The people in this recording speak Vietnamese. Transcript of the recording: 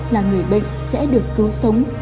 là người bệnh sẽ được cứu sống